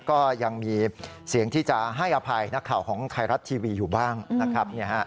ก็ยังมีเสียงที่จะให้อภัยนักข่าวของไทยรัฐทีวีอยู่บ้างนะครับ